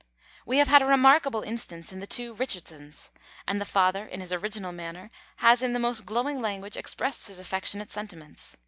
We have had a remarkable instance in the two Richardsons; and the father, in his original manner, has in the most glowing language expressed his affectionate sentiments.